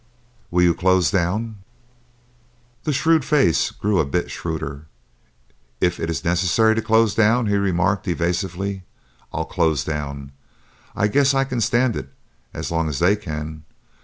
"Will you close down?" The shrewd face grew a bit shrewder. "If it's necessary to close down," he remarked, evasively, "I'll close down. I guess I can stand it as long as they can.